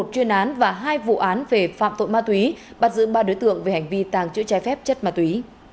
một chuyên án và hai vụ án về phạm tội ma túy bắt giữ ba đối tượng về hành vi tàng trữ trái phép chất ma túy